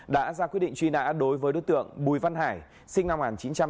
đã ra quy định truy nã đối với đối tượng bùi văn hải sinh năm một nghìn chín trăm sáu mươi tám